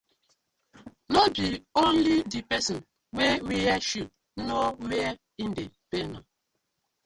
No be only di person wey wear shoe know where e dey pain am.